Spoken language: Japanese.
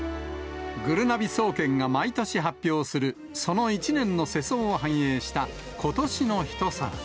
ぐるなび総研が毎年発表する、その一年の世相を反映した今年の一皿。